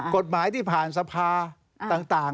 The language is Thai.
กฎหมายที่ผ่านสภา